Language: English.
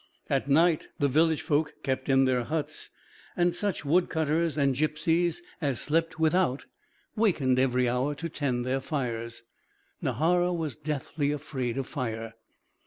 At night the village folk kept in their huts, and such wood cutters and gipsies as slept without wakened every hour to tend their fires. Nahara was deathly afraid of fire.